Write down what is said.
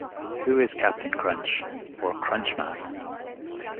Who is "Captain Crunch" or "Crunchman"?